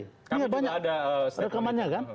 kami juga ada rekamannya